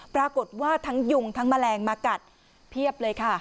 ปรากฏว่าทั้งยุงทั้งแมลงมากัดเพียบเลยค่ะ